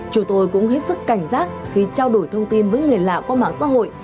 chúng tôi cũng hết sức cảnh giác khi trao đổi thông tin với người lạ qua mạng xã hội